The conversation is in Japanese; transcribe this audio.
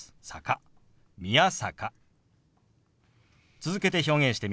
続けて表現してみます。